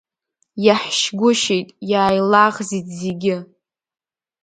Иаҳшьгәышьеит иааилаӷзит зегьы.